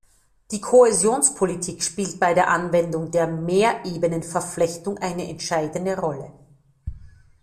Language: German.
Die Kohäsionspolitik spielt bei der Anwendung der Mehrebenenverflechtung eine entscheidende Rolle.